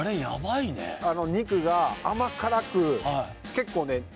ヤバいね肉が甘辛く結構ね